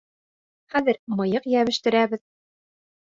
Хәҙер мыйыҡ йәбештерәбеҙ!